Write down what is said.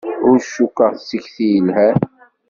Ur cukkeɣ d tikti yelhan.